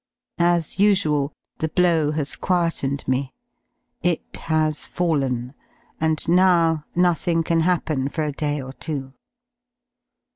As usual, the blow has quietened me. It has fallen, and now nothing can happen for a day or two.